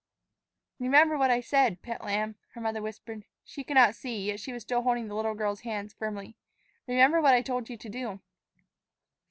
"Remember what I said, pet lamb," her mother whispered. She could not see, yet she was still holding the little girl's hands firmly. "Remember what I told you to do."